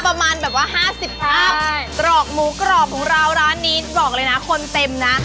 ประมาณแบบว่า๕๐ภาพตรอกหมูกรอบของเราร้านนี้บอกเลยนะคนเต็มนะ